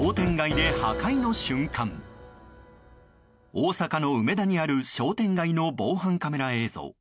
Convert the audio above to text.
大阪の梅田にある商店街の防犯カメラ映像。